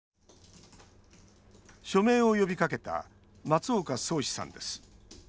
署名を呼びかけた松岡宗嗣さんです。